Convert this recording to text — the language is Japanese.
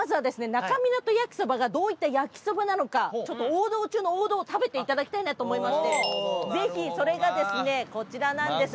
那珂湊焼きそばがどういった焼きそばなのかちょっと王道中の王道を食べていただきたいなと思いましてぜひそれがですねこちらなんです。